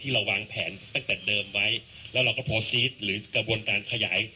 เราวางแผนตั้งแต่เดิมไว้แล้วเราก็โพสต์ซีสหรือกระบวนการขยาย